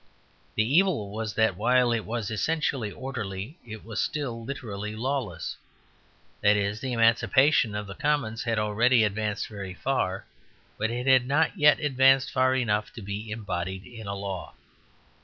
The evil was that while it was essentially orderly, it was still literally lawless. That is, the emancipation of the commons had already advanced very far, but it had not yet advanced far enough to be embodied in a law.